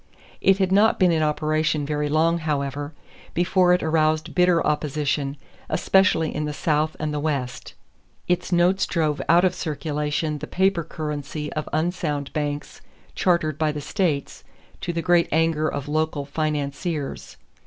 It had not been in operation very long, however, before it aroused bitter opposition, especially in the South and the West. Its notes drove out of circulation the paper currency of unsound banks chartered by the states, to the great anger of local financiers.